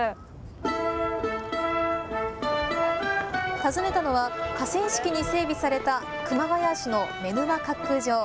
訪ねたのは河川敷に整備された熊谷市の妻沼滑空場。